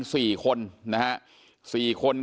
เป็นมีดปลายแหลมยาวประมาณ๑ฟุตนะฮะที่ใช้ก่อเหตุ